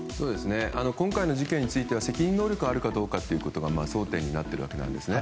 今回の事件については責任能力があるかどうかが争点になっているわけなんですね。